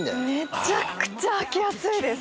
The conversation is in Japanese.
めちゃくちゃ穿きやすいです